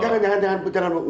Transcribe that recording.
jangan jangan jangan